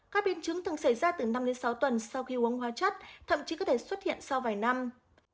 các biến chứng thường xảy ra từ năm đến sáu tuần sau khi uống hóa chất thậm chí có thể xuất hiện sau vài năm